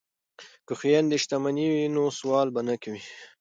که خویندې شتمنې وي نو سوال به نه کوي.